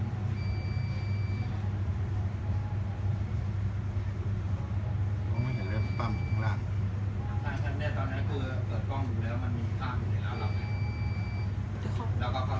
เพื่อไม่เห็นเรื่องปั้มของตรงล่าง